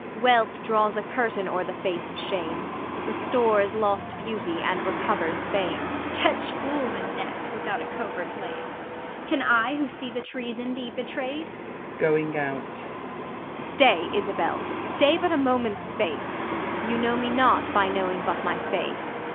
Wealth draws a curtain o'er the face of shame, Restores lost beauty, and recovers fame. IsAB. Catch fools in nets without a covert laid ; Can I, who see the treason, be betray'd 1 [Going out. Ang. Stay, Isabell, stay but a moment's space ! You know me not by knowing but my f^ice.